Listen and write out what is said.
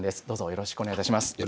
どうぞよろしくお願い致します。